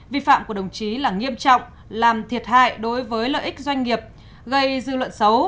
vi phạm của đồng chí là nghiêm trọng làm thiệt hại đối với lợi ích doanh nghiệp gây dư luận xấu